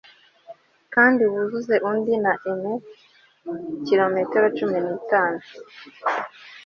Kandi wuzuze undi na em kilometero cumi nitanu